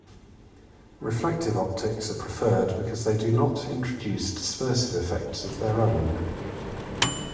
Reflective optics are preferred because they do not introduce dispersive effects of their own.